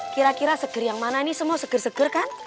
kira kira seger yang mana ini semua seger seger kan